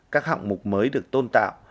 các hạng mục mới được tôn tạo